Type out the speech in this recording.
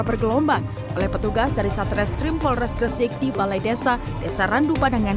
bergelombang oleh petugas dari satreskrim polres gresik di balai desa desa randu padangan